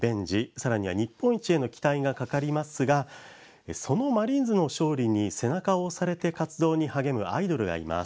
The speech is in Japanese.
さらには、日本一への期待がかかりますがそのマリーンズの勝利に背中を押されて活動に励むアイドルがいます。